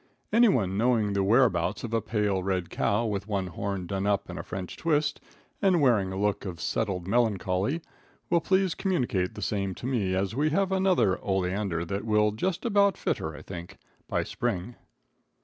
Anyone knowing the whereabouts of a pale red cow, with one horn done up in a French twist, and wearing a look of settled melancholy, will please communicate the same to me, as we have another Ole Ander that will just about fit her, I think, by spring.